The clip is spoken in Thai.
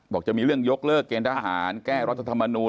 จะมีเรื่องยกเลิกเกณฑหารแก้รัฐธรรมนูล